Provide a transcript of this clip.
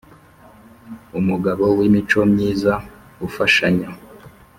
Umugabo w’ imico myiza ufashanya.